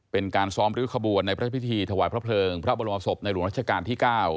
เป็นการซ้อมริ้วขบวนในพระพิธีถวายพระเพลิงพระบรมศพในหลวงรัชกาลที่๙